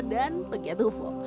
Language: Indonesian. dan pegiat ufo